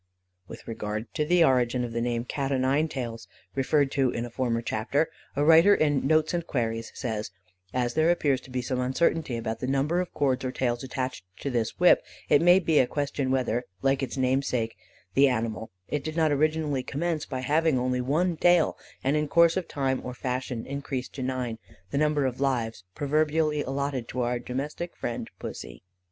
With regard to the origin of the name "Cat o' nine tails," referred to in a former chapter, a writer in Notes and Queries says: "As there appears to be some uncertainty about the number of cords or tails attached to this whip, it may be a question whether, like its namesake, the animal, it did not originally commence by having only one tail, and in course of time or fashion increase to nine, the number of lives proverbially allotted to our domestic friend Pussy.